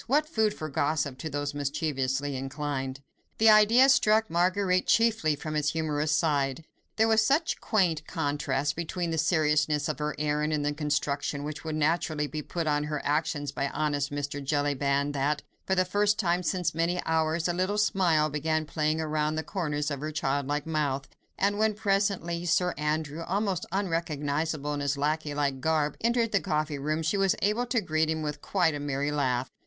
What food for gossip to those mischievously inclined. The idea struck Marguerite chiefly from its humorous side: there was such quaint contrast between the seriousness of her errand, and the construction which would naturally be put on her actions by honest Mr. Jellyband, that, for the first time since many hours, a little smile began playing round the corners of her childlike mouth, and when, presently, Sir Andrew, almost unrecognisable in his lacquey like garb, entered the coffee room, she was able to greet him with quite a merry laugh.